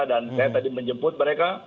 dan saya tadi menjemput mereka